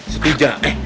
baru kita gerak tangkap